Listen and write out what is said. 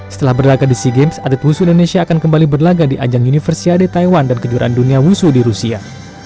setelah berlagak di sea games atlet wusu indonesia akan kembali berlaga di ajang universiade taiwan dan kejuaraan dunia wusu di rusia